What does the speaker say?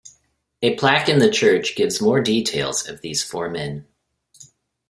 A plaque in the church gives more details of these four men.